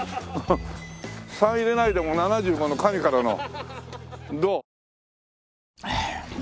「３」入れないで７５の神からのどう？